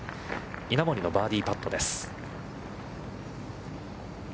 稲森のバーディーパットです。